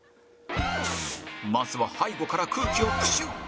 まずは背後から空気をプシュー！